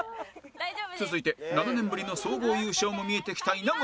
続いて７年ぶりの総合優勝も見えてきた稲村